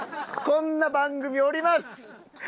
こんな番組降ります！